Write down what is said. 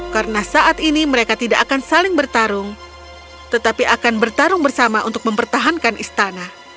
karena saat ini mereka tidak akan saling bertarung tetapi akan bertarung bersama untuk mempertahankan istana